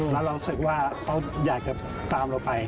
แล้วเรารู้สึกว่าเขาอยากจะตามเราไป